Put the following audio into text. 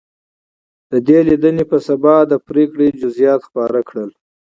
د دې لیدنې په سبا د پرېکړې جزییات خپاره کړل.